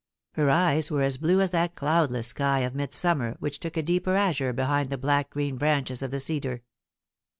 Her eyes were as blue as that cloudless sky of midsummer which took a deeper azure behind the black green branches of the cedar.